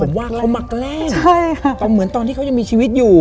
ผมว่าเขามาแกล้งใช่ค่ะก็เหมือนตอนที่เขายังมีชีวิตอยู่